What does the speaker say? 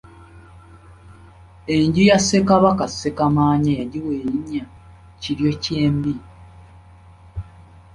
Enju ya Ssekabaka Ssekamaanya yagiwa elinnya Kiryokyembi.